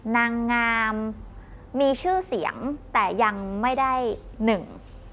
นางงามมีชื่อเสียงแต่ยังไม่ได้หนึ่ง